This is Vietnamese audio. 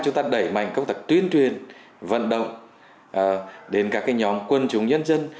chúng ta đẩy mạnh công tác tuyên truyền vận động đến các nhóm quân chúng nhân dân